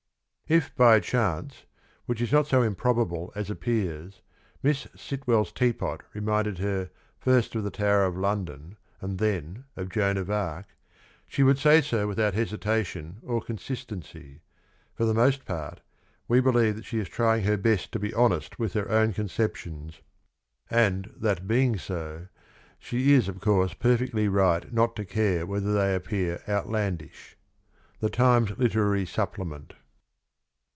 If by a chance, which is not so improbable as appears, Miss Sitwell's teapot reminded her first of the Tower of London and then of Joan of Arc, she would say so without hesitation or consistency. ... For the most part, we believe that she is trying her best to be honest with her own concep tions, and, that being so, she is of course perfectly right not to care whether they appear outlandish. — The Times Literary Supplement.